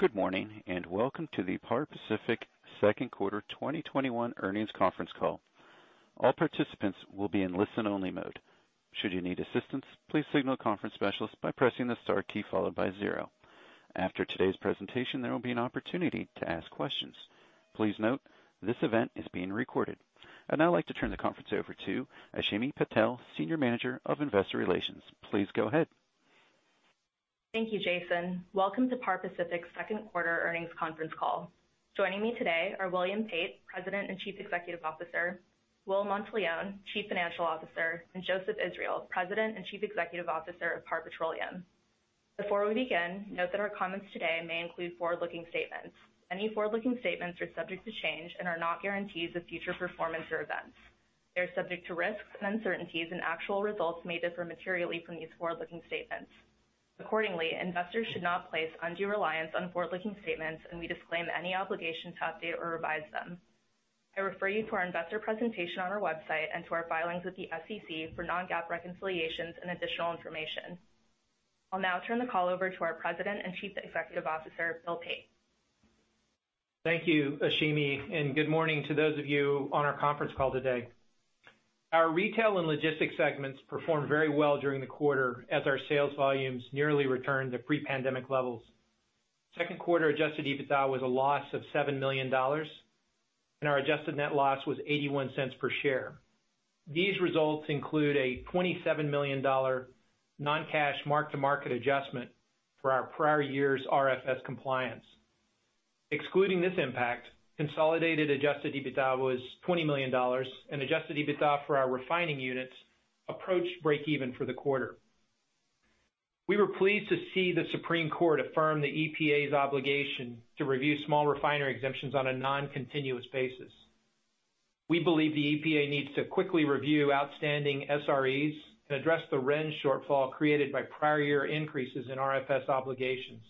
Good morning and welcome to the Par Pacific second quarter 2021 earnings conference call. All participants will be in listen-only mode. Should you need assistance, please signal the conference specialist by pressing the star key followed by zero. After today's presentation, there will be an opportunity to ask questions. Please note this event is being recorded. I'd now like to turn the conference over to Ashimi Patel, Senior Manager of Investor Relations. Please go ahead. Thank you, Jason. Welcome to Par Pacific's second quarter earnings conference call. Joining me today are William Pate, President and Chief Executive Officer; Will Monteleone, Chief Financial Officer; and Joseph Israel, President and Chief Executive Officer of Par Petroleum. Before we begin, note that our comments today may include forward-looking statements. Any forward-looking statements are subject to change and are not guarantees of future performance or events. They are subject to risks and uncertainties, and actual results may differ materially from these forward-looking statements. Accordingly, investors should not place undue reliance on forward-looking statements, and we disclaim any obligation to update or revise them. I refer you to our investor presentation on our website and to our filings with the SEC for non-GAAP reconciliations and additional information. I'll now turn the call over to our President and Chief Executive Officer, Bill Pate. Thank you, Ashimi, and good morning to those of you on our conference call today. Our retail and logistics segments performed very well during the quarter as our sales volumes nearly returned to pre-pandemic levels. Second quarter Adjusted EBITDA was a loss of $7 million, and our adjusted net loss was $0.81 per share. These results include a $27 million non-cash mark-to-market adjustment for our prior year's RFS compliance. Excluding this impact, consolidated Adjusted EBITDA was $20 million, and Adjusted EBITDA for our refining units approached break-even for the quarter. We were pleased to see the Supreme Court affirm the EPA's obligation to review Small Refinery Exemptions on a non-continuous basis. We believe the EPA needs to quickly review outstanding SREs and address the RIN shortfall created by prior year increases in RFS obligations.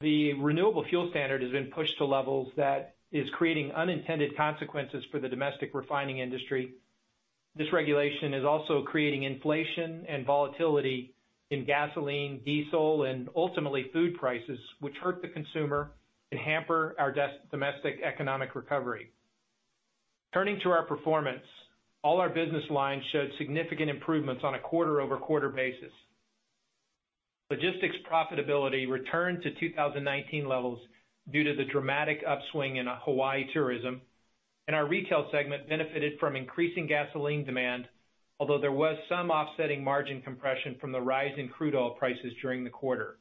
The RINewable Fuel Standard has been pushed to levels that are creating unintended consequences for the domestic refining industry. This regulation is also creating inflation and volatility in gasoline, diesel, and ultimately food prices, which hurt the consumer and hamper our domestic economic recovery. Turning to our performance, all our business lines showed significant improvements on a quarter-over-quarter basis. Logistics profitability returned to 2019 levels due to the dramatic upswing in Hawaii tourism, and our retail segment benefited from increasing gasoline demand, although there was some offsetting margin compression from the rise in crude oil prices during the quarter.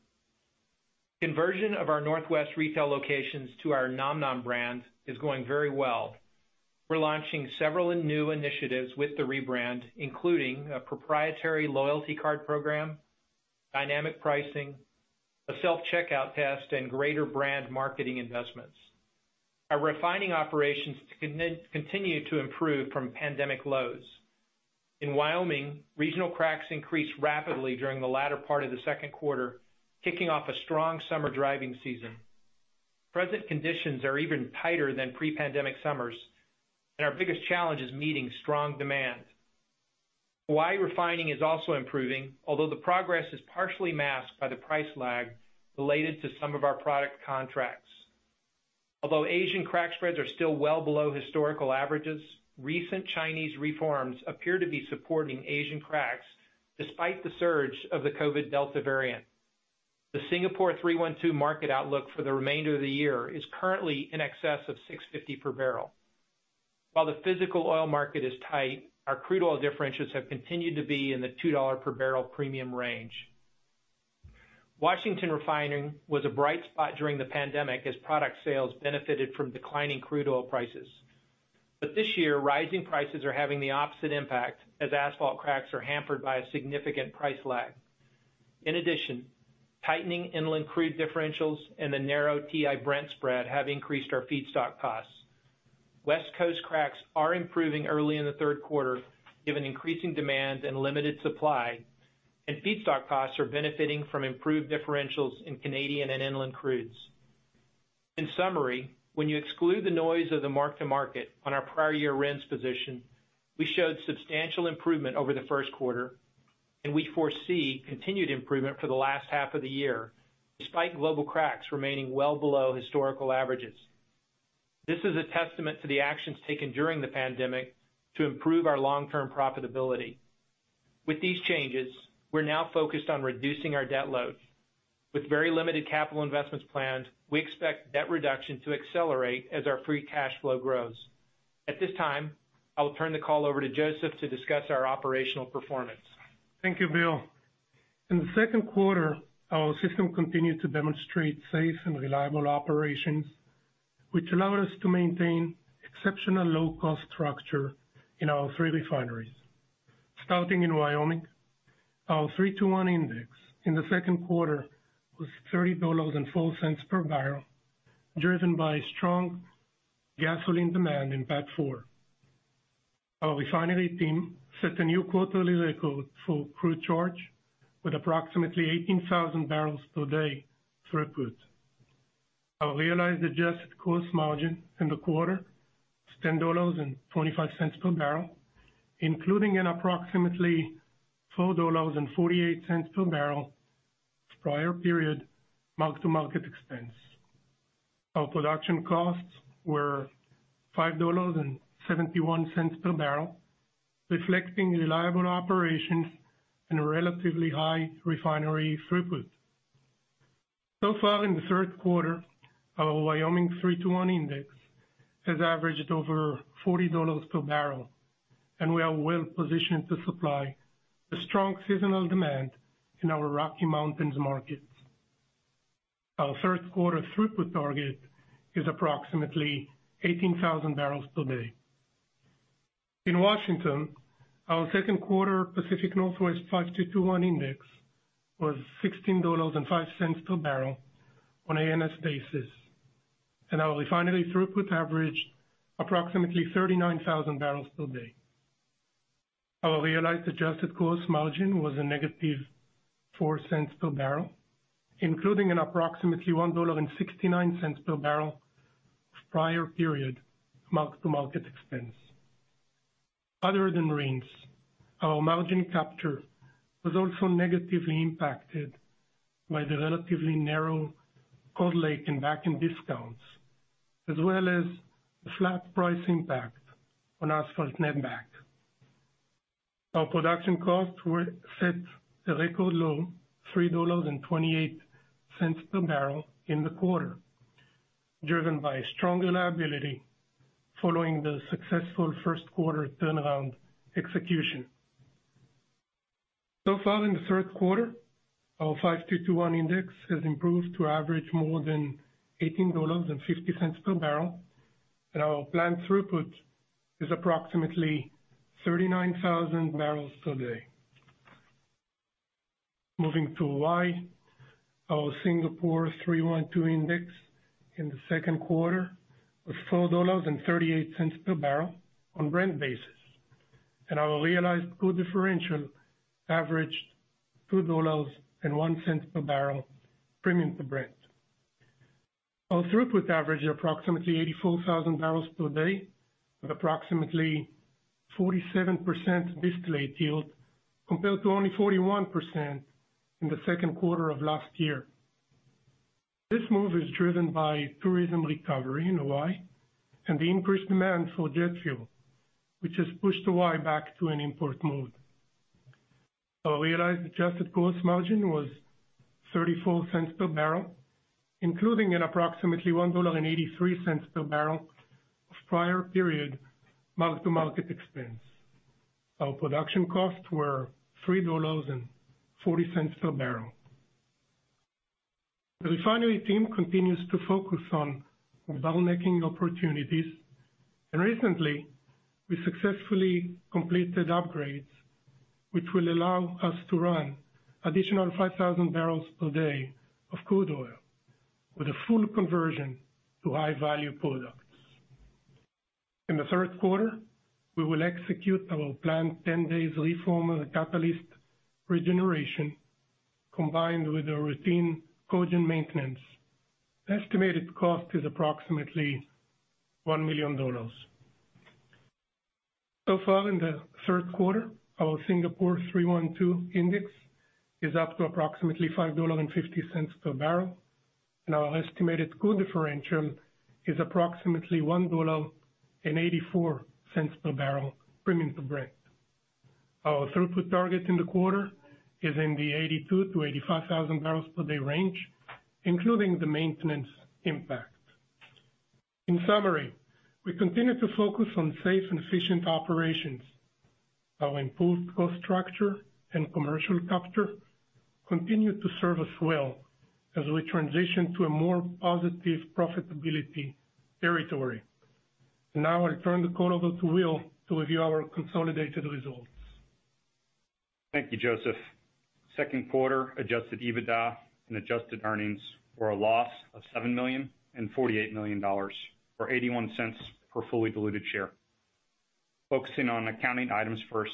Conversion of our Northwest retail locations to our nomnom brand is going very well. We're launching several new initiatives with the rebrand, including a proprietary loyalty card program, dynamic pricing, a self-checkout test, and greater brand marketing investments. Our refining operations continue to improve from pandemic lows. In Wyoming, regional cracks increased rapidly during the latter part of the second quarter, kicking off a strong summer driving season. Present conditions are even tighter than pre-pandemic summers, and our biggest challenge is meeting strong demand. Hawaii refining is also improving, although the progress is partially masked by the price lag related to some of our product contracts. Although Asian crack spreads are still well below historical averages, recent Chinese reforms appear to be supporting Asian cracks despite the surge of the COVID Delta variant. The Singapore 312 market outlook for the remainder of the year is currently in excess of $6.50 per bbl. While the physical oil market is tight, our crude oil differentials have continued to be in the $2 per bbl premium range. Washington refining was a bright spot during the pandemic as product sales benefited from declining crude oil prices. This year, rising prices are having the opposite impact as asphalt cracks are hampered by a significant price lag. In addition, tightening inland crude differentials and the narrow WTI Brent spread have increased our feedstock costs. West Coast cracks are improving early in the third quarter given increasing demand and limited supply, and feedstock costs are benefiting from improved differentials in Canadian and inland crudes. In summary, when you exclude the noise of the mark-to-market on our prior year RINs position, we showed substantial improvement over the first quarter, and we foresee continued improvement for the last half of the year despite global cracks remaining well below historical averages. This is a testament to the actions taken during the pandemic to improve our long-term profitability. With these changes, we're now focused on reducing our debt load. With very limited capital investments planned, we expect debt reduction to accelerate as our free cash flow grows. At this time, I will turn the call over to Joseph to discuss our operational performance. Thank you, Bill. In the second quarter, our system continued to demonstrate safe and reliable operations, which allowed us to maintain exceptional low-cost structure in our three refineries. Starting in Wyoming, our 3:1 index in the second quarter was $32.04 per bbl, driven by strong gasoline demand in part four. Our refinery team set a new quarterly record for crude charge with approximately 18,000 bbl per day throughput. Our realized adjusted cost margin in the quarter was $10.25 per bbl, including an approximately $4.48 per bbl of prior period mark-to-market expense. Our production costs were $5.71 per bbl, reflecting reliable operations and relatively high refinery throughput. In the third quarter, our Wyoming 3:1 index has averaged over $40 per bbl, and we are well positioned to supply the strong seasonal demand in our Rocky Mountains markets. Our third quarter throughput target is approximately 18,000 bbl per day. In Washington, our second quarter Pacific Northwest 5:2:1 index was $16.05 per bbl on an ANS basis, and our refinery throughput averaged approximately 39,000 bbl per day. Our realized adjusted cost margin was a negative $0.04 per bbl, including an approximately $1.69 per bbl of prior period mark-to-market expense. Other than RINs, our margin capture was also negatively impacted by the relatively narrow Cold Lake and Bakken discounts, as well as the flat price impact on asphalt net back. Our production costs set a record low of $3.28 per bbl in the quarter, driven by strong reliability following the successful first quarter turnaround execution. In the third quarter, our 5:2:1 index has improved to average more than $18.50 per bbl, and our planned throughput is approximately 39,000 bbl per day. Moving to Hawaii, our Singapore 3:1:2 index in the second quarter was $4.38 per bbl on a Brent basis, and our realized crude differential averaged $2.01 per bbl premium to Brent. Our throughput averaged approximately 84,000 bbl per day, with approximately 47% distillate yield compared to only 41% in the second quarter of last year. This move is driven by tourism recovery in Hawaii and the increased demand for jet fuel, which has pushed Hawaii back to an import mode. Our realized adjusted cost margin was $0.34 per bbl, including an approximately $1.83 per bbl of prior period mark-to-market expense. Our production costs were $3.40 per bbl. The refinery team continues to focus on bottlenecking opportunities, and recently, we successfully completed upgrades, which will allow us to run additional 5,000 bbl per day of crude oil, with a full conversion to high-value products. In the third quarter, we will execute our planned 10-day reform of the catalyst regeneration, combined with our routine cogen maintenance. The estimated cost is approximately $1 million. In the third quarter, our Singapore 312 index is up to approximately $5.50 per bbl, and our estimated crude differential is approximately $1.84 per bbl premium to Brent. Our throughput target in the quarter is in the 82,000 to 85,000 bbl per day range, including the maintenance impact. In summary, we continue to focus on safe and efficient operations. Our improved cost structure and commercial capture continue to serve us well as we transition to a more positive profitability territory. Now I'll turn the call over to Will to review our consolidated results. Thank you, Joseph. Second quarter Adjusted EBITDA and adjusted earnings were a loss of $7 million and $48 million or $0.81 per fully diluted share. Focusing on accounting items first,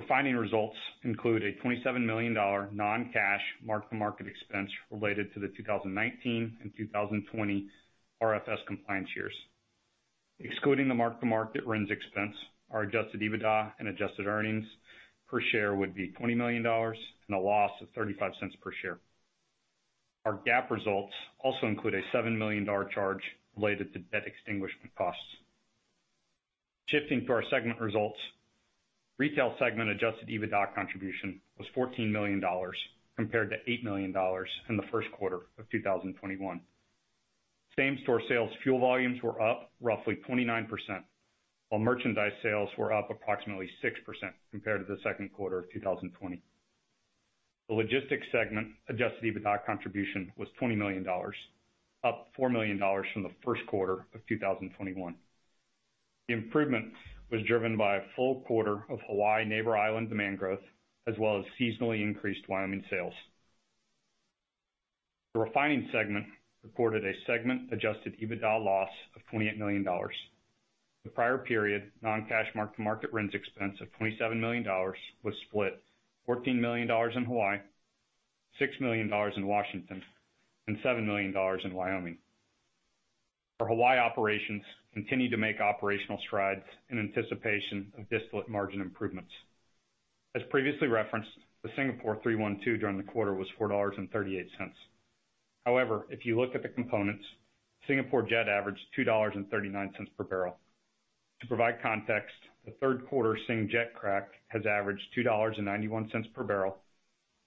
refining results include a $27 million non-cash mark-to-market expense related to the 2019 and 2020 RFS compliance years. Excluding the mark-to-market RINs expense, our Adjusted EBITDA and adjusted earnings per share would be $20 million and a loss of $0.35 per share. Our GAAP results also include a $7 million charge related to debt extinguishment costs. Shifting to our segment results, retail segment Adjusted EBITDA contribution was $14 million compared to $8 million in the first quarter of 2021. Same-store sales fuel volumes were up roughly 29%, while merchandise sales were up approximately 6% compared to the second quarter of 2020. The logistics segment Adjusted EBITDA contribution was $20 million, up $4 million from the first quarter of 2021. The improvement was driven by a full quarter of Hawaii neighbor island demand growth, as well as seasonally increased Wyoming sales. The refining segment reported a segment Adjusted EBITDA loss of $28 million. The prior period non-cash mark-to-market RINs expense of $27 million was split $14 million in Hawaii, $6 million in Washington, and $7 million in Wyoming. Our Hawaii operations continue to make operational strides in anticipation of distillate margin improvements. As previously referenced, the Singapore 312 during the quarter was $4.38. However, if you look at the components, Singapore jet averaged $2.39 per bbl. To provide context, the third quarter Singapore jet crack has averaged $2.91 per bbl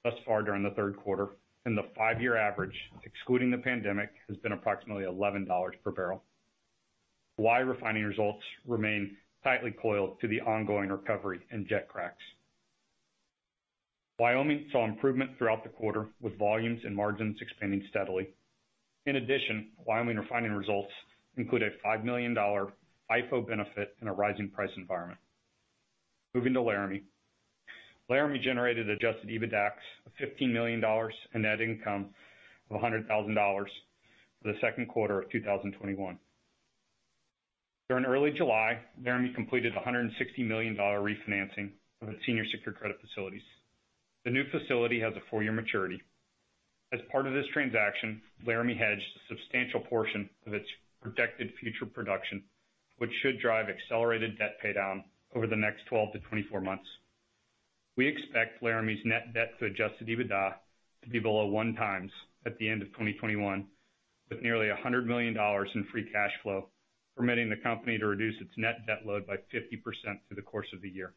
thus far during the third quarter, and the five-year average, excluding the pandemic, has been approximately $11 per bbl. Hawaii refining results remain tightly coiled to the ongoing recovery in jet cracks. Wyoming saw improvement throughout the quarter, with volumes and margins expanding steadily. In addition, Wyoming refining results include a $5 million IFO benefit in a rising price environment. Moving to Laramie. Laramie generated Adjusted EBITDA of $15 million and net income of $100,000 for the second quarter of 2021. During early July, Laramie completed $160 million refinancing of its Senior Secure Credit facilities. The new facility has a four-year maturity. As part of this transaction, Laramie hedged a substantial portion of its projected future production, which should drive accelerated debt paydown over the next 12 to 24 months. We expect Laramie's net debt to Adjusted EBITDA to be below one times at the end of 2021, with nearly $100 million in free cash flow, permitting the company to reduce its net debt load by 50% through the course of the year.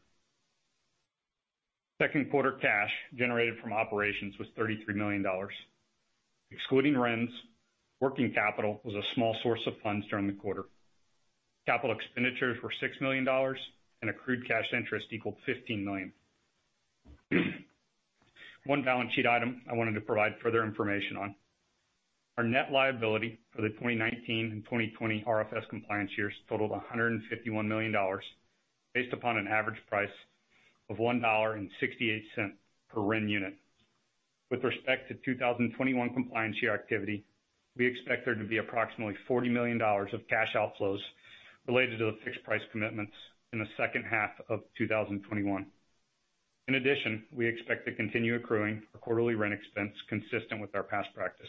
Second quarter cash generated from operations was $33 million. Excluding RINs, working capital was a small source of funds during the quarter. Capital expenditures were $6 million, and accrued cash interest equaled $15 million. One balance sheet item I wanted to provide further information on. Our net liability for the 2019 and 2020 RFS compliance years totaled $151 million, based upon an average price of $1.68 per RIN unit. With respect to 2021 compliance year activity, we expect there to be approximately $40 million of cash outflows related to the fixed price commitments in the second half of 2021. In addition, we expect to continue accruing our quarterly RIN expense consistent with our past practice.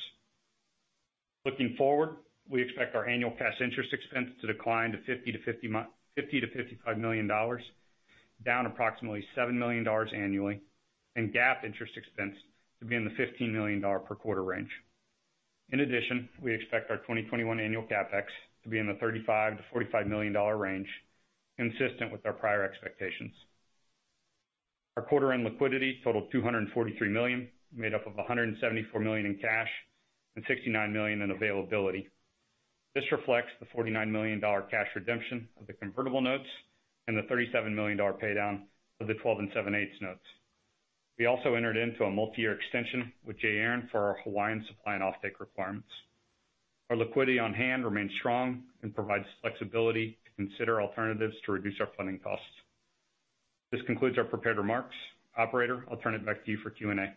Looking forward, we expect our annual cash interest expense to decline to $50 to $55 million, down approximately $7 million annually, and GAAP interest expense to be in the $15 million per quarter range. In addition, we expect our 2021 annual GAAP CapEx to be in the $35 million-$45 million range, consistent with our prior expectations. Our quarter-end liquidity totaled $243 million, made up of $174 million in cash and $69 million in availability. This reflects the $49 million cash redemption of the convertible notes and the $37 million paydown of the 12 and 7/8 notes. We also entered into a multi-year extension with J. Aron for our Hawaiian supply and offtake requirements. Our liquidity on hand remains strong and provides flexibility to consider alternatives to reduce our funding costs. This concludes our prepared remarks. Operator, I'll turn it back to you for Q&A.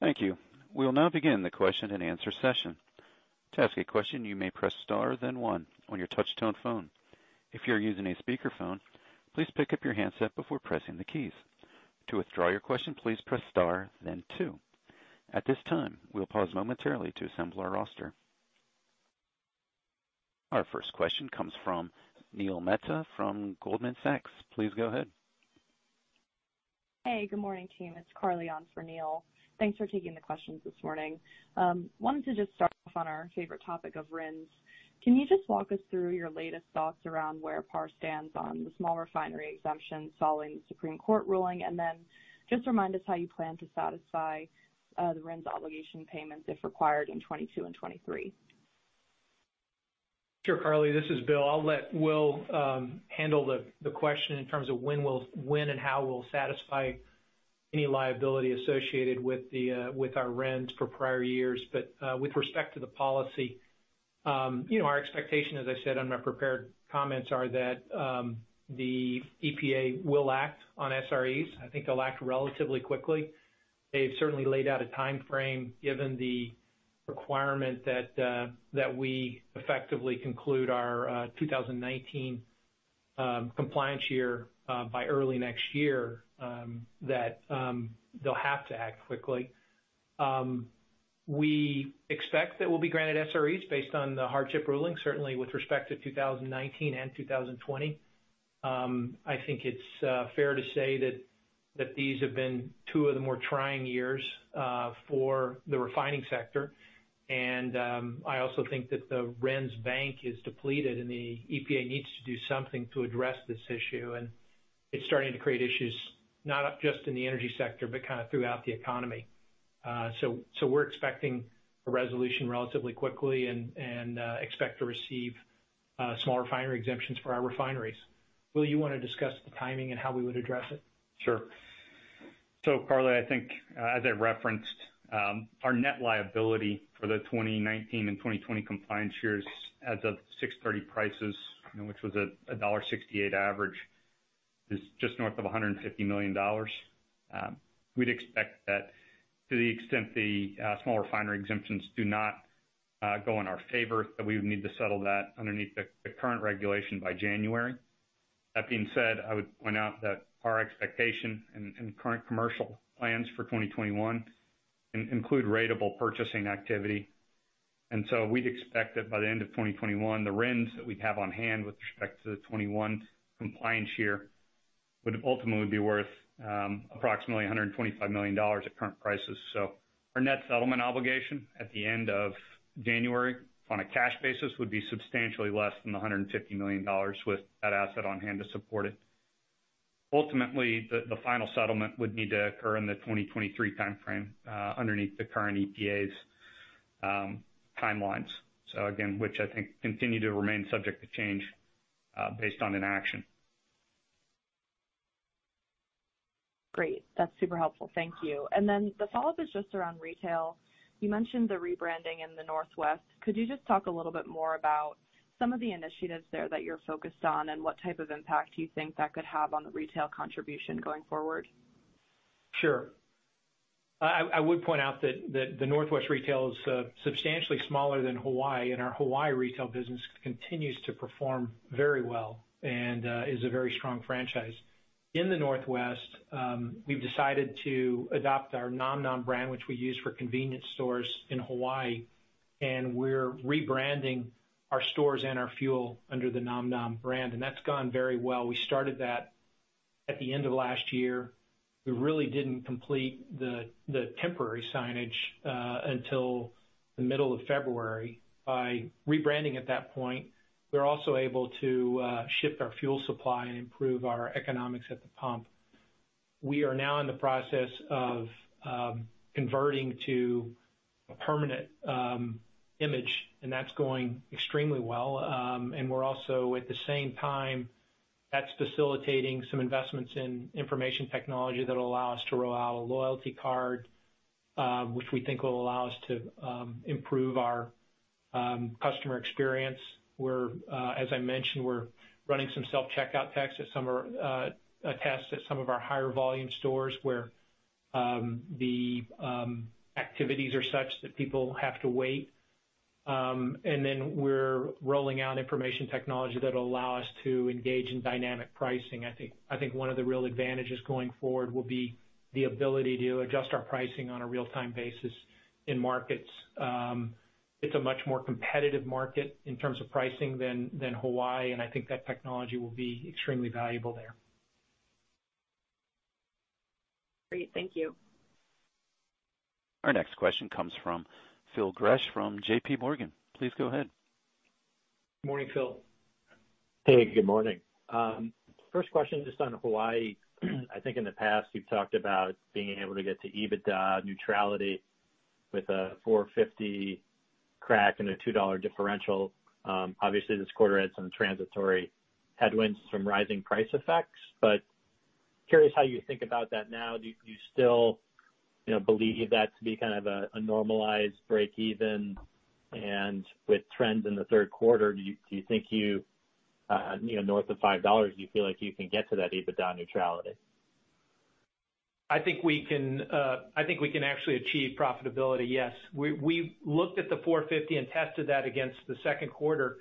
Thank you. We will now begin the question and answer session. To ask a question, you may press star, then one, on your touch-tone phone. If you're using a speakerphone, please pick up your handset before pressing the keys. To withdraw your question, please press star, then two. At this time, we'll pause momentarily to assemble our roster. Our first question comes from Neil Mehta from Goldman Sachs. Please go ahead. Hey, good morning, team. It's Carly on for Neil. Thanks for taking the questions this morning. I wanted to just start off on our favorite topic of RINs. Can you just walk us through your latest thoughts around where Par stands on the small refinery exemption following the Supreme Court ruling, and then just remind us how you plan to satisfy the RINs obligation payments if required in 2022 and 2023? Sure, Carly. This is Bill. I'll let Will handle the question in terms of when and how we'll satisfy any liability associated with our RINs for prior years. With respect to the policy, our expectation, as I said on my prepared comments, is that the EPA will act on SREs. I think they'll act relatively quickly. They've certainly laid out a timeframe, given the requirement that we effectively conclude our 2019 compliance year by early next year, that they'll have to act quickly. We expect that we'll be granted SREs based on the hardship ruling, certainly with respect to 2019 and 2020. I think it's fair to say that these have been two of the more trying years for the refining sector. I also think that the RINs bank is depleted, and the EPA needs to do something to address this issue. It's starting to create issues not just in the energy sector, but kind of throughout the economy. We're expecting a resolution relatively quickly and expect to receive small refinery exemptions for our refineries. Will, you want to discuss the timing and how we would address it? Sure. Carly, I think, as I referenced, our net liability for the 2019 and 2020 compliance years as of June 30 prices, which was a $1.68 average, is just north of $150 million. We'd expect that, to the extent the small refinery exemptions do not go in our favor, we would need to settle that underneath the current regulation by January. That being said, I would point out that our expectation and current commercial plans for 2021 include ratable purchasing activity. We'd expect that by the end of 2021, the RINs that we'd have on hand with respect to the 2021 compliance year would ultimately be worth approximately $125 million at current prices. Our net settlement obligation at the end of January, on a cash basis, would be substantially less than $150 million with that asset on hand to support it. Ultimately, the final settlement would need to occur in the 2023 timeframe underneath the current EPA's timelines, which I think continue to remain subject to change based on inaction. Great. That's super helpful. Thank you. The follow-up is just around retail. You mentioned the rebranding in the Northwest. Could you just talk a little bit more about some of the initiatives there that you're focused on and what type of impact you think that could have on the retail contribution going forward? Sure. I would point out that the Northwest retail is substantially smaller than Hawaii, and our Hawaii retail business continues to perform very well and is a very strong franchise. In the Northwest, we've decided to adopt our nomnom brand, which we use for convenience stores in Hawaii, and we're rebranding our stores and our fuel under the nomnom brand. That has gone very well. We started that at the end of last year. We really did not complete the temporary signage until the middle of February. By rebranding at that point, we are also able to shift our fuel supply and improve our economics at the pump. We are now in the process of converting to a permanent image, and that is going extremely well. We're also, at the same time, facilitating some investments in information technology that will allow us to roll out a loyalty card, which we think will allow us to improve our customer experience. As I mentioned, we're running some self-checkout tests at some of our higher volume stores where the activities are such that people have to wait. We're rolling out information technology that will allow us to engage in dynamic pricing. I think one of the real advantages going forward will be the ability to adjust our pricing on a real-time basis in markets. It's a much more competitive market in terms of pricing than Hawaii, and I think that technology will be extremely valuable there. Great. Thank you. Our next question comes from Phil Gresh from JPMorgan. Please go ahead. Good morning, Phil. Hey, good morning. First question just on Hawaii. I think in the past you've talked about being able to get to EBITDA neutrality with a $4.50 crack and a $2 differential. Obviously, this quarter had some transitory headwinds from rising price effects, but curious how you think about that now. Do you still believe that to be kind of a normalized break-even? With trends in the third quarter, do you think north of $5, do you feel like you can get to that EBITDA neutrality? I think we can actually achieve profitability, yes. We looked at the $4.50 and tested that against the second quarter.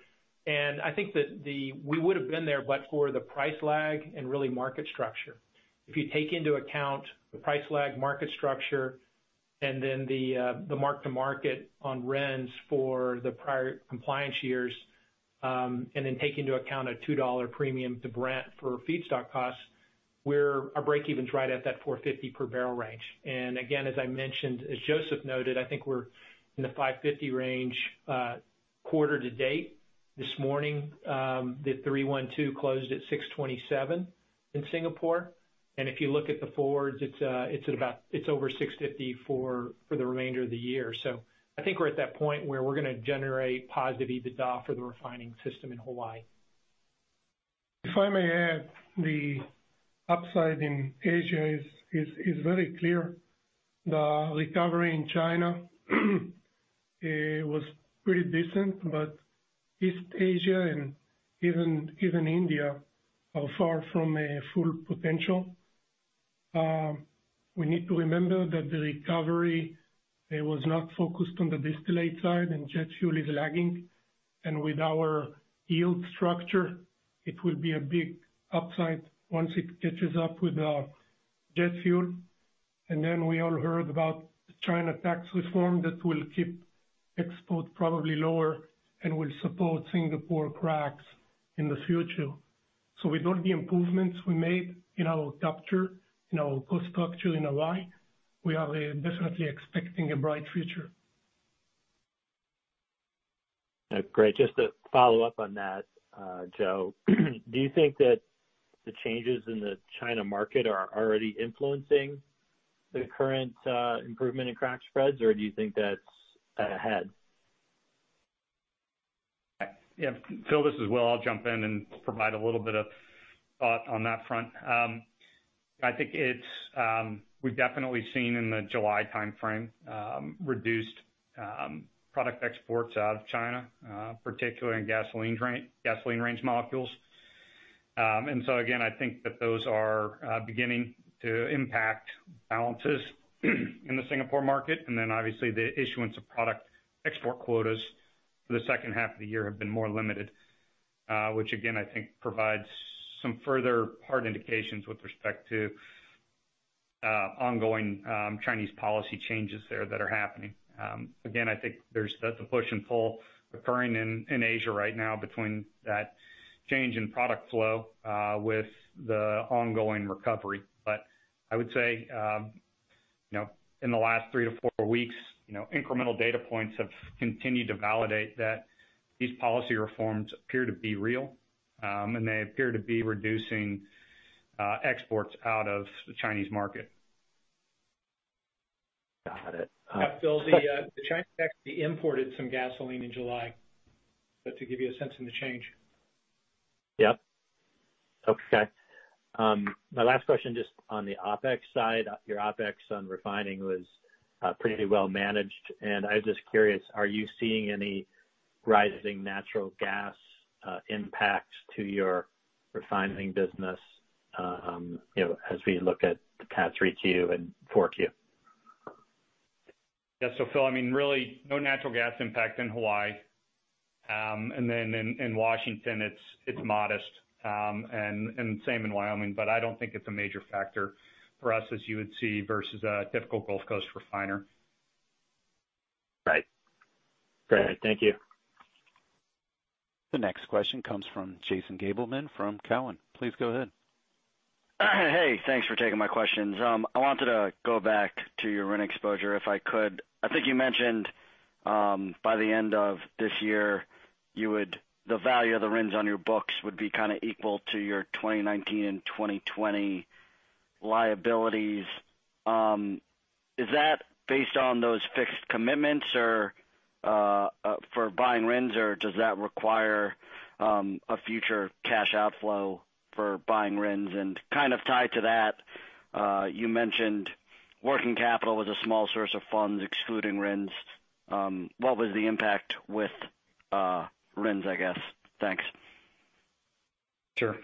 I think that we would have been there, but for the price lag and really market structure. If you take into account the price lag, market structure, and then the mark-to-market on RINs for the prior compliance years, and then take into account a $2 premium to Brent for feedstock costs, our break-even is right at that $4.50 per bbl range. Again, as I mentioned, as Joseph noted, I think we are in the $5.50 range quarter to date. This morning, the 312 closed at $6.27 in Singapore. If you look at the forwards, it is over $6.50 for the remainder of the year. I think we are at that point where we are going to generate positive EBITDA for the refining system in Hawaii. If I may add, the upside in Asia is very clear. The recovery in China was pretty decent, but East Asia and even India are far from full potential. We need to remember that the recovery was not focused on the distillate side, and jet fuel is lagging. With our yield structure, it will be a big upside once it catches up with jet fuel. We all heard about China tax reform that will keep exports probably lower and will support Singapore cracks in the future. With all the improvements we made in our capture, in our cost structure in Hawaii, we are definitely expecting a bright future. Great. Just to follow up on that, Joe, do you think that the changes in the China market are already influencing the current improvement in crack spreads, or do you think that's ahead? Yeah. Phil, this is Will. I'll jump in and provide a little bit of thought on that front. I think we've definitely seen in the July timeframe reduced product exports out of China, particularly in gasoline range molecules. I think that those are beginning to impact balances in the Singapore market. Obviously, the issuance of product export quotas for the second half of the year have been more limited, which I think provides some further hard indications with respect to ongoing Chinese policy changes there that are happening. I think there's the push and pull occurring in Asia right now between that change in product flow with the ongoing recovery. I would say in the last three to four weeks, incremental data points have continued to validate that these policy reforms appear to be real, and they appear to be reducing exports out of the Chinese market. Got it. Yeah, Phil, the Chinese actually imported some gasoline in July to give you a sense of the change. Yep. Okay. My last question just on the OpEx side. Your OpEx on refining was pretty well managed. And I was just curious, are you seeing any rising natural gas impacts to your refining business as we look at the past three Q and four Q? Yeah. Phil, I mean, really no natural gas impact in Hawaii. In Washington, it's modest, and same in Wyoming. I don't think it's a major factor for us, as you would see, versus a typical Gulf Coast refiner. Right. Great. Thank you. The next question comes from Jason Gabelman from Cowen. Please go ahead. Hey, thanks for taking my questions. I wanted to go back to your RIN exposure, if I could. I think you mentioned by the end of this year, the value of the RINs on your books would be kind of equal to your 2019 and 2020 liabilities. Is that based on those fixed commitments for buying RINs, or does that require a future cash outflow for buying RINs? Kind of tied to that, you mentioned working capital was a small source of funds excluding RINs. What was the impact with RINs, I guess? Thanks. Sure.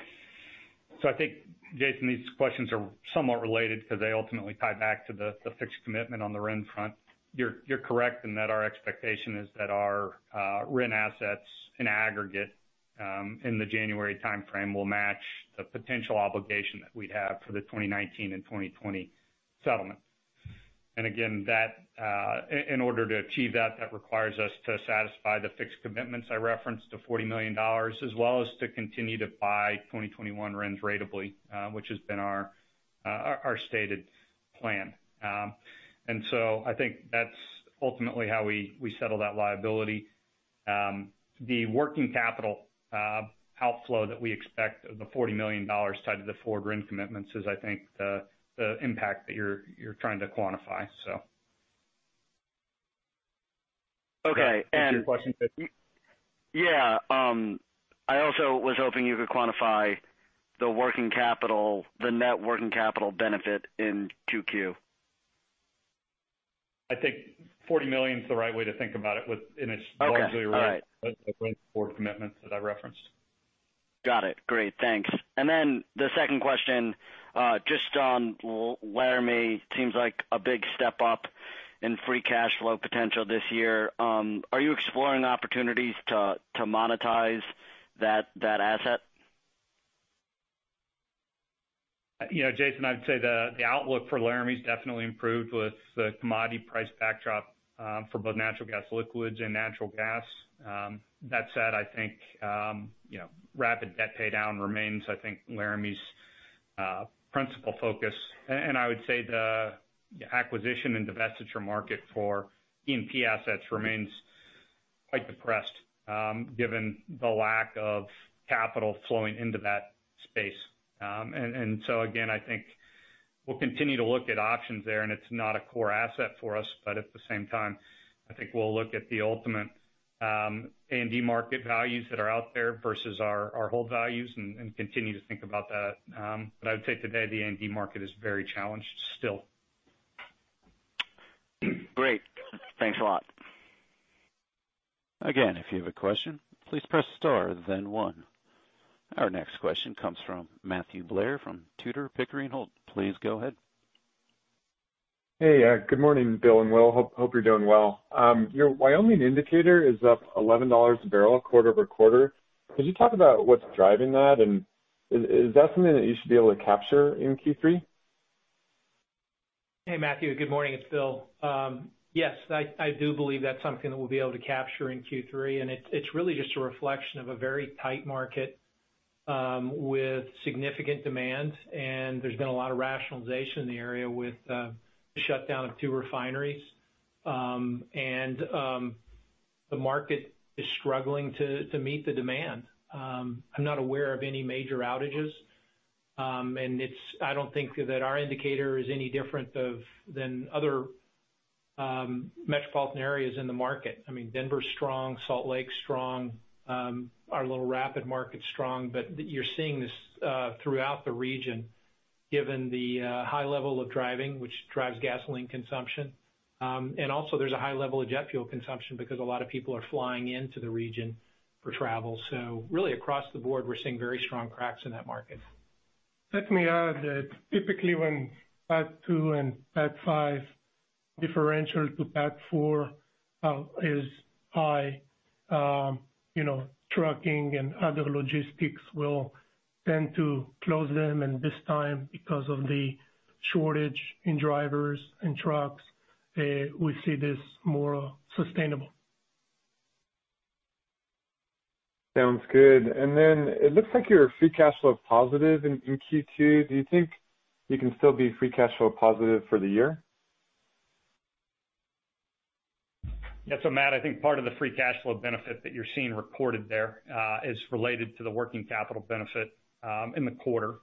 I think, Jason, these questions are somewhat related because they ultimately tie back to the fixed commitment on the RIN front. You're correct in that our expectation is that our RIN assets in aggregate in the January timeframe will match the potential obligation that we'd have for the 2019 and 2020 settlement. Again, in order to achieve that, that requires us to satisfy the fixed commitments I referenced of $40 million, as well as to continue to buy 2021 RINs ratably, which has been our stated plan. I think that's ultimately how we settle that liability. The working capital outflow that we expect of the $40 million tied to the forward RIN commitments is, I think, the impact that you're trying to quantify. Okay. And. That answers your question, Jason. Yeah. I also was hoping you could quantify the net working capital benefit in Q2. I think $40 million is the right way to think about it and it is largely related to the forward commitments that I referenced. Got it. Great. Thanks. The second question, just on Laramie, seems like a big step up in free cash flow potential this year. Are you exploring opportunities to monetize that asset? Jason, I'd say the outlook for Laramie has definitely improved with the commodity price backdrop for both natural gas liquids and natural gas. That said, I think rapid debt paydown remains, I think, Laramie's principal focus. I would say the acquisition and divestiture market for E&P assets remains quite depressed given the lack of capital flowing into that space. I think we'll continue to look at options there, and it's not a core asset for us. At the same time, I think we'll look at the ultimate A&D market values that are out there versus our hold values and continue to think about that. I would say today the A&D market is very challenged still. Great. Thanks a lot. Again, if you have a question, please press star then one. Our next question comes from Matthew Blair from Tudor, Pickering, Holt. Please go ahead. Hey, good morning, Bill and Will. Hope you're doing well. Your Wyoming indicator is up $11 a bbl quarter-over-quarter. Could you talk about what's driving that, and is that something that you should be able to capture in Q3? Hey, Matthew. Good morning. It's Bill. Yes, I do believe that's something that we'll be able to capture in Q3. It's really just a reflection of a very tight market with significant demand. There's been a lot of rationalization in the area with the shutdown of two refineries. The market is struggling to meet the demand. I'm not aware of any major outages. I don't think that our indicator is any different than other metropolitan areas in the market. I mean, Denver's strong, Salt Lake's strong, our little rapid market's strong. You're seeing this throughout the region given the high level of driving, which drives gasoline consumption. Also, there's a high level of jet fuel consumption because a lot of people are flying into the region for travel. Really, across the board, we're seeing very strong cracks in that market. Let me add that typically when PAT 2 and PAT 5 differential to PAT 4 is high, trucking and other logistics will tend to close them. This time, because of the shortage in drivers and trucks, we see this more sustainable. Sounds good. It looks like your free cash flow is positive in Q2. Do you think you can still be free cash flow positive for the year? Yeah. Matt, I think part of the free cash flow benefit that you're seeing reported there is related to the working capital benefit in the quarter.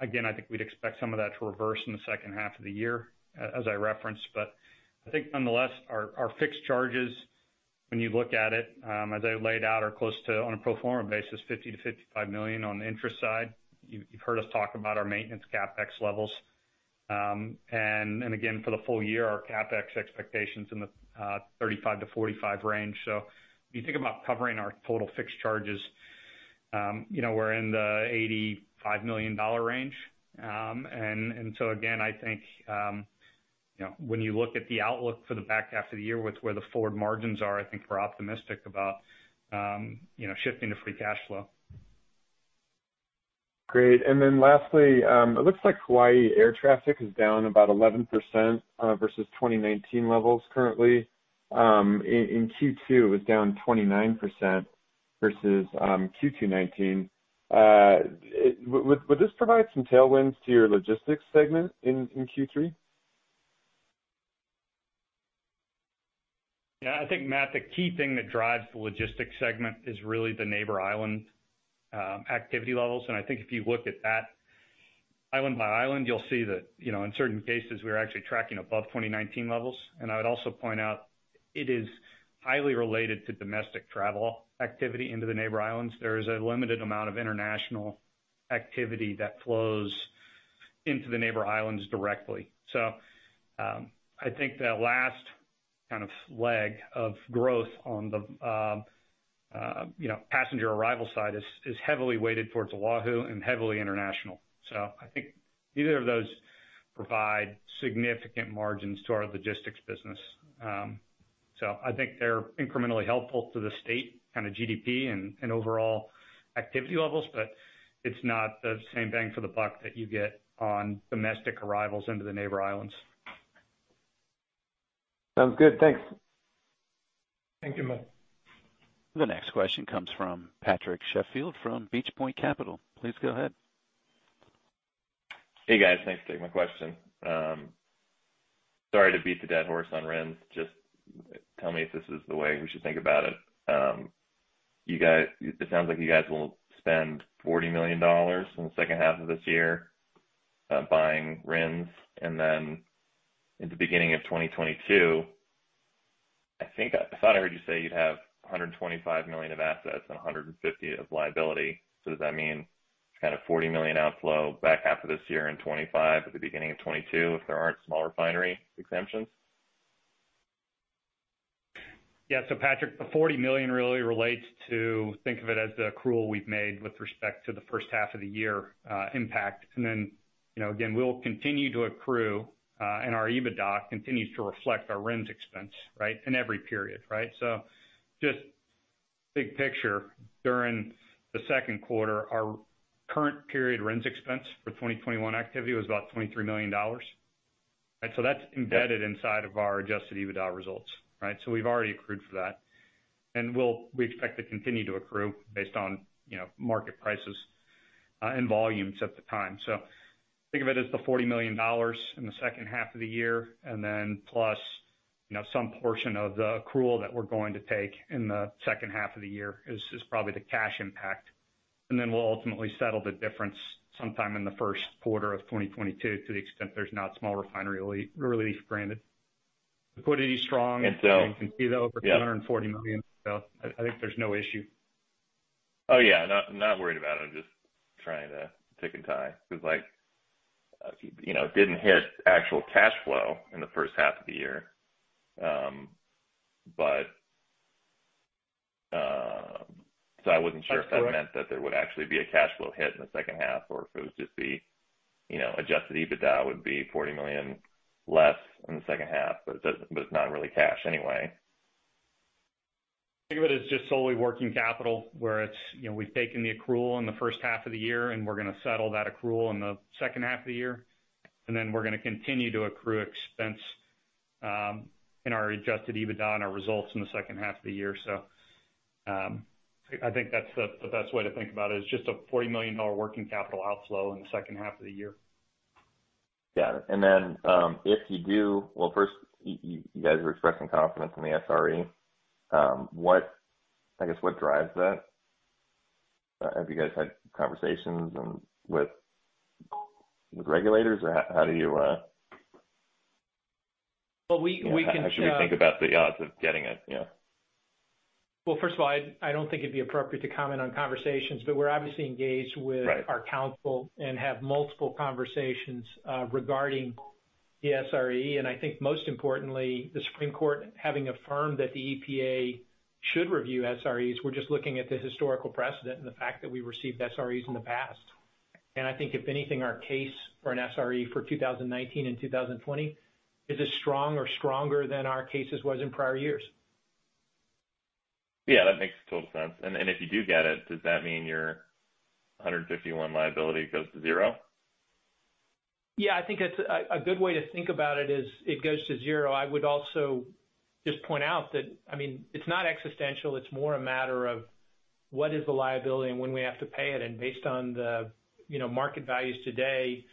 Again, I think we'd expect some of that to reverse in the second half of the year, as I referenced. I think nonetheless, our fixed charges, when you look at it, as I laid out, are close to, on a pro forma basis, $50 million-$55 million on the interest side. You've heard us talk about our maintenance CapEx levels. Again, for the full year, our CapEx expectations are in the $35 million-$45 million range. If you think about covering our total fixed charges, we're in the $85 million range. I think when you look at the outlook for the back half of the year with where the forward margins are, I think we're optimistic about shifting to free cash flow. Great. Lastly, it looks like Hawaii air traffic is down about 11% versus 2019 levels currently. In Q2, it was down 29% versus Q2 2019. Would this provide some tailwinds to your logistics segment in Q3? Yeah. I think, Matt, the key thing that drives the logistics segment is really the neighbor island activity levels. I think if you look at that island by island, you'll see that in certain cases, we're actually tracking above 2019 levels. I would also point out it is highly related to domestic travel activity into the neighbor islands. There is a limited amount of international activity that flows into the neighbor islands directly. I think the last kind of leg of growth on the passenger arrival side is heavily weighted towards Oahu and heavily international. I think neither of those provide significant margins to our logistics business. I think they're incrementally helpful to the state kind of GDP and overall activity levels, but it's not the same bang for the buck that you get on domestic arrivals into the neighbor islands. Sounds good. Thanks. Thank you, Matt. The next question comes from Patrick Sheffield from Beach Point Capital. Please go ahead. Hey, guys. Thanks for taking my question. Sorry to beat the dead horse on RINs. Just tell me if this is the way we should think about it. It sounds like you guys will spend $40 million in the second half of this year buying RINs. And then in the beginning of 2022, I thought I heard you say you'd have $125 million of assets and $150 million of liability. So does that mean kind of $40 million outflow back after this year in 2025 at the beginning of 2022 if there aren't small refinery exemptions? Yeah. So Patrick, the $40 million really relates to think of it as the accrual we've made with respect to the first half of the year impact. We'll continue to accrue, and our EBITDA continues to reflect our RINs expense, right, in every period, right? Just big picture, during the second quarter, our current period RINs expense for 2021 activity was about $23 million. That's embedded inside of our Adjusted EBITDA results, right? We've already accrued for that. We expect to continue to accrue based on market prices and volumes at the time. Think of it as the $40 million in the second half of the year, and then plus some portion of the accrual that we're going to take in the second half of the year is probably the cash impact. We will ultimately settle the difference sometime in the first quarter of 2022 to the extent there is not small refinery relief granted. Liquidity is strong. It's up. You can see the over $240 million. I think there's no issue. Oh, yeah. Not worried about it. I'm just trying to tick and tie because it didn't hit actual cash flow in the first half of the year. I wasn't sure if that meant that there would actually be a cash flow hit in the second half or if it would just be Adjusted EBITDA would be $40 million less in the second half, but it's not really cash anyway. Think of it as just solely working capital where we've taken the accrual in the first half of the year, and we're going to settle that accrual in the second half of the year. We're going to continue to accrue expense in our Adjusted EBITDA and our results in the second half of the year. I think that's the best way to think about it is just a $40 million working capital outflow in the second half of the year. Got it. If you do, first, you guys are expressing confidence in the SRE. I guess what drives that? Have you guys had conversations with regulators or how do you? We can. Should we think about the odds of getting it? Yeah. I don't think it'd be appropriate to comment on conversations, but we're obviously engaged with our counsel and have multiple conversations regarding the SRE. I think most importantly, the Supreme Court having affirmed that the EPA should review SREs, we're just looking at the historical precedent and the fact that we've received SREs in the past. I think if anything, our case for an SRE for 2019 and 2020 is as strong or stronger than our case was in prior years. Yeah. That makes total sense. If you do get it, does that mean your $151 liability goes to zero? Yeah. I think a good way to think about it is it goes to zero. I would also just point out that, I mean, it's not existential. It's more a matter of what is the liability and when we have to pay it. And based on the market values today,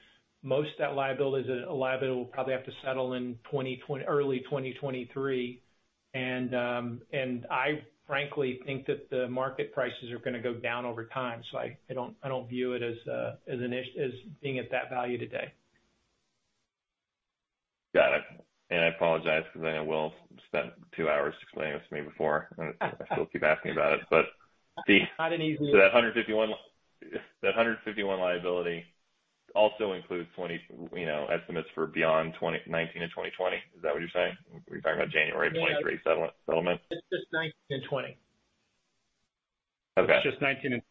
most of that liability will probably have to settle in early 2023. I frankly think that the market prices are going to go down over time. I don't view it as being at that value today. Got it. I apologize because I know Will spent two hours explaining this to me before, and I still keep asking about it. But the. Not an easy one. That 151 liability also includes estimates for beyond 2019 and 2020? Is that what you're saying? Are you talking about January 2023 settlement? It's just 2019 and 2020. Okay. It's just 2019 and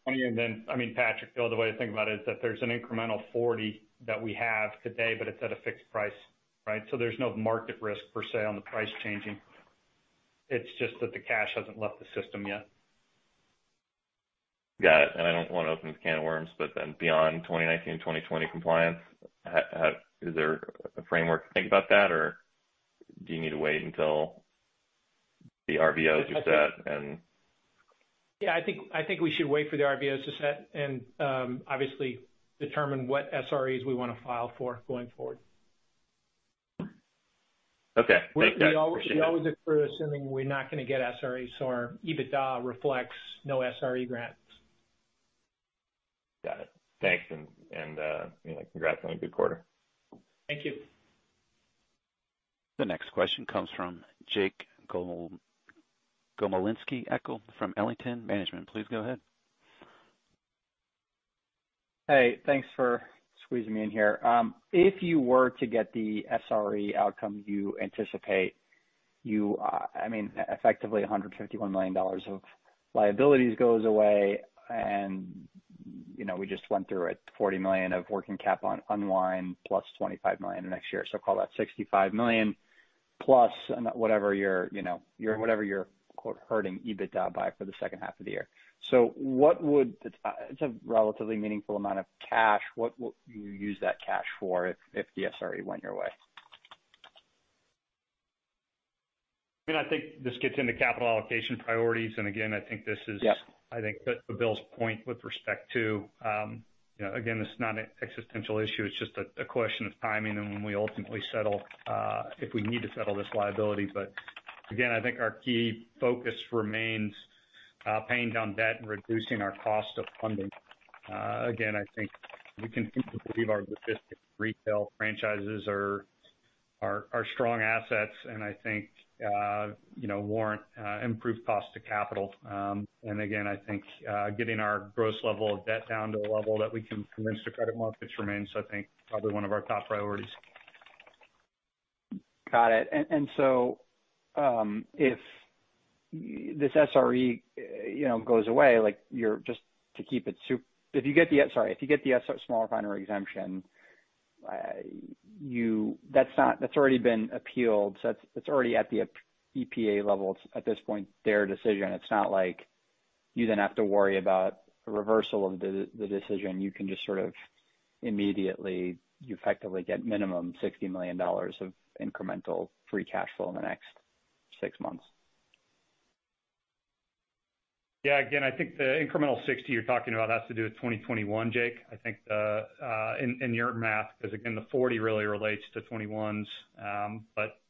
2020. I mean, Patrick, the other way to think about it is that there's an incremental 40 that we have today, but it's at a fixed price, right? There's no market risk per se on the price changing. It's just that the cash hasn't left the system yet. Got it. I do not want to open the can of worms, but then beyond 2019 and 2020 compliance, is there a framework to think about that, or do you need to wait until the RVOs are set? Yeah. I think we should wait for the RVOs to set and obviously determine what SREs we want to file for going forward. Okay. Thank you. We always accrue assuming we're not going to get SREs, so our EBITDA reflects no SRE grants. Got it. Thanks. Congrats on a good quarter. Thank you. The next question comes from Jake Gomolinski-Ekel from Ellington Management. Please go ahead. Hey, thanks for squeezing me in here. If you were to get the SRE outcome you anticipate, I mean, effectively $151 million of liabilities goes away, and we just went through it. $40 million of working cap on unwind +$25 million next year. Call that $65 million+ whatever you're hurting EBITDA by for the second half of the year. It is a relatively meaningful amount of cash. What would you use that cash for if the SRE went your way? I mean, I think this gets into capital allocation priorities. I think this is, I think, Bill's point with respect to, again, this is not an existential issue. It's just a question of timing and when we ultimately settle if we need to settle this liability. I think our key focus remains paying down debt and reducing our cost of funding. I think we continue to believe our logistics retail franchises are strong assets, and I think warrant improved cost of capital. I think getting our gross level of debt down to a level that we can convince the credit markets remains, I think, probably one of our top priorities. Got it. If this SRE goes away, just to keep it, if you get the—sorry, if you get the small refinery exemption, that's already been appealed. It's already at the EPA level at this point, their decision. It's not like you then have to worry about a reversal of the decision. You can just sort of immediately, effectively get minimum $60 million of incremental free cash flow in the next six months. Yeah. Again, I think the incremental 60 you're talking about has to do with 2021, Jake. I think in your math, because again, the 40 really relates to 2021's.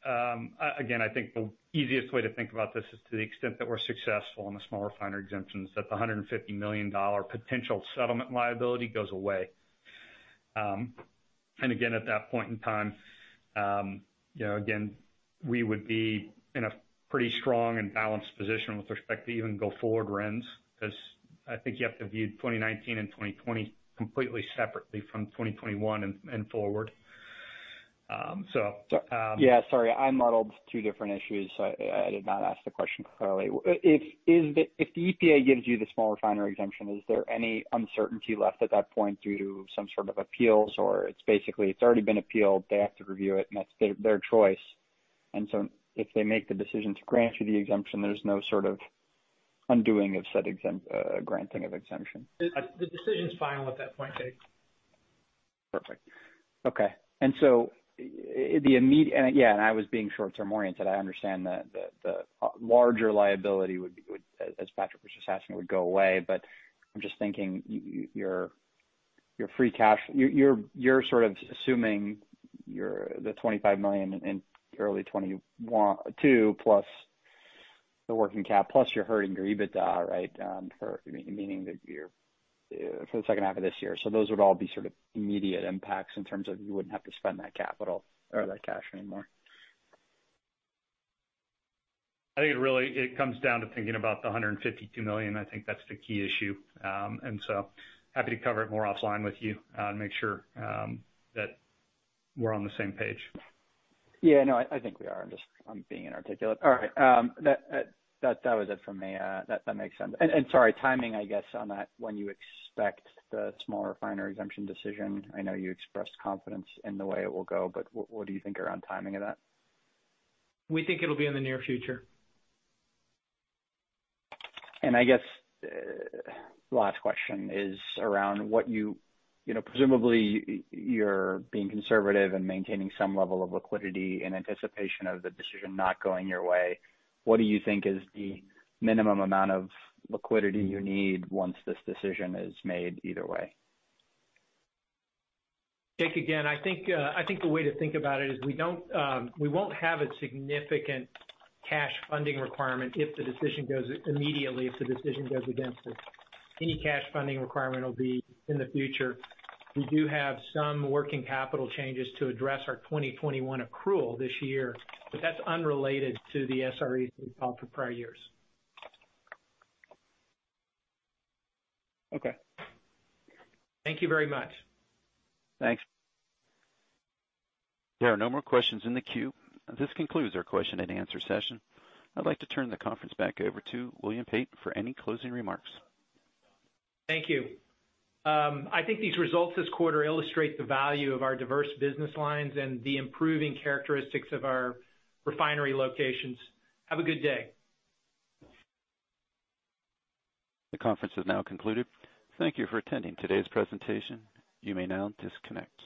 I think the easiest way to think about this is to the extent that we're successful in the small refinery exemptions, that the $150 million potential settlement liability goes away. Again, at that point in time, we would be in a pretty strong and balanced position with respect to even go forward RINs because I think you have to view 2019 and 2020 completely separately from 2021 and forward. Yeah. Sorry. I muddled two different issues, so I did not ask the question clearly. If the EPA gives you the small refinery exemption, is there any uncertainty left at that point due to some sort of appeals or it's basically it's already been appealed, they have to review it, and that's their choice. If they make the decision to grant you the exemption, there's no sort of undoing of said granting of exemption. The decision's final at that point, Jake. Perfect. Okay. The immediate—yeah, I was being short-term oriented. I understand that the larger liability, as Patrick was just asking, would go away. I am just thinking your free cash, you are sort of assuming the $25 million in early 2022 plus the working cap, plus you are hurting your EBITDA, right, meaning that you are for the second half of this year. Those would all be sort of immediate impacts in terms of you would not have to spend that capital or that cash anymore. I think it really comes down to thinking about the $152 million. I think that's the key issue. Happy to cover it more offline with you and make sure that we're on the same page. Yeah. No, I think we are. I'm just being inarticulate. All right. That was it for me. That makes sense. Sorry, timing, I guess, on that, when you expect the small refinery exemption decision? I know you expressed confidence in the way it will go, but what do you think around timing of that? We think it'll be in the near future. I guess the last question is around what you presumably you're being conservative and maintaining some level of liquidity in anticipation of the decision not going your way. What do you think is the minimum amount of liquidity you need once this decision is made either way? Jake, again, I think the way to think about it is we won't have a significant cash funding requirement if the decision goes immediately, if the decision goes against us. Any cash funding requirement will be in the future. We do have some working capital changes to address our 2021 accrual this year, but that's unrelated to the SREs we've filed for prior years. Okay. Thank you very much. Thanks. There are no more questions in the queue. This concludes our question and answer session. I'd like to turn the conference back over to William Pate for any closing remarks. Thank you. I think these results this quarter illustrate the value of our diverse business lines and the improving characteristics of our refinery locations. Have a good day. The conference is now concluded. Thank you for attending today's presentation. You may now disconnect.